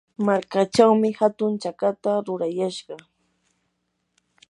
markachawmi hatun chakata rurayashqa.